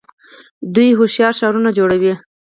دوی هوښیار ښارونه جوړوي.